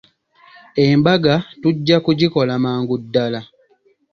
Embaga tujja kugikola mangu ddala.